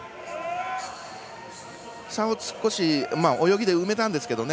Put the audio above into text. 差を少し泳ぎで埋めたんですけどね